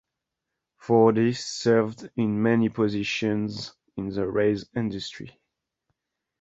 Fordyce served in many positions in the rail industry.